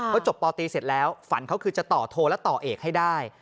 ก็จบปตีเสร็จแล้วฝันเขาคือจะต่อโทรและต่อเอกให้ได้